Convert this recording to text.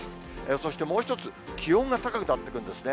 そしてもう一つ、気温が高くなってくるんですね。